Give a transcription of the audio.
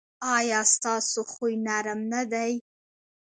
ایا ستاسو خوی نرم نه دی؟